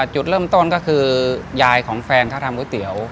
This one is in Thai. จุดเริ่มต้นก็คือยายของแฟนเขาทำก๋วยเตี๋ยว